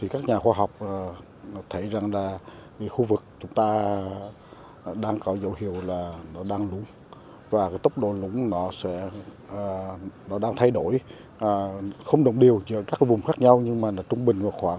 các nhà khoa học thấy rằng khu vực chúng ta đang có dấu hiệu là nó đang lúng và tốc độ lúng nó đang thay đổi